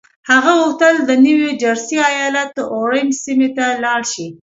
هغه غوښتل د نيو جرسي ايالت اورنج سيمې ته لاړ شي.